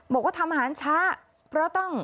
บอกว่าทำอาหารช้าเพราะต้อง